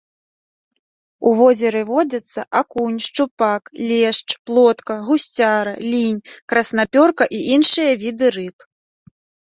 У возеры водзяцца акунь, шчупак, лешч, плотка, гусцяра, лінь, краснапёрка і іншыя віды рыб.